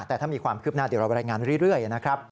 แต่ถ้ามีความคืบหน้าเดี๋ยวเรารายงานเรื่อยนะครับ